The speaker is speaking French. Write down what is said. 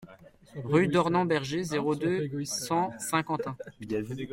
Rue Dornemberger, zéro deux, cent Saint-Quentin